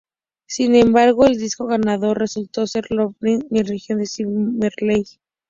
Sin embargo, el disco ganador resultó ser "Love is my religion" de Ziggy Marley.